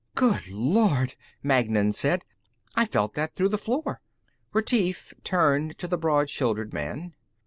"Good lord," Magnan said. "I felt that through the floor." Retief turned to the broad shouldered man.